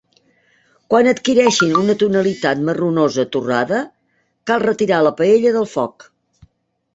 Quan adquireixin una tonalitat marronosa torrada, cal retirar la paella del foc.